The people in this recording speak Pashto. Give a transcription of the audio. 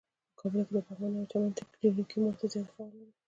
په کابل کې د پغمان او چمن تکتونیکی ماته زیاته فعاله ده.